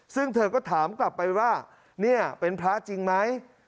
ซึ่งเธอก็ถามกลับไปว่าเนี่ยเป็นพระจริงไหม